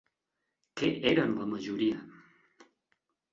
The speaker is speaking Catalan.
Què eren la majoria?